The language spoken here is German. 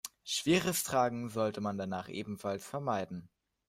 Schweres Tragen sollte man danach ebenfalls vermeiden.